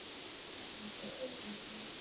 kwa muda mrefu katika uongozi hasa bungeni